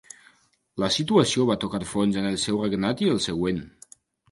La situació va tocar fons en el seu regnat i el següent.